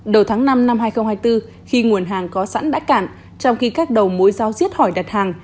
đầu tháng năm năm hai nghìn hai mươi bốn khi nguồn hàng có sẵn đã cạn trong khi các đầu mối giao diết hỏi đặt hàng